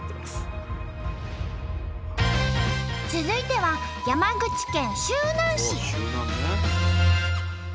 続いては山口県周南市。